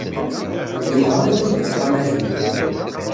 Ṛeggmeɣ-am ad am-d-afeɣ amahil.